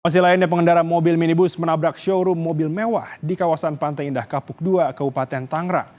masih lainnya pengendara mobil minibus menabrak showroom mobil mewah di kawasan pantai indah kapuk dua kabupaten tangerang